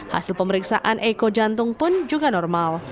hasil pemeriksaan eko jantung pun juga normal